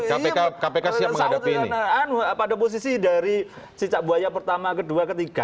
tapi pak sawad pada posisi dari cicak buaya pertama kedua ketiga